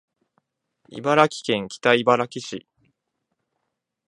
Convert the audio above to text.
茨城県北茨城市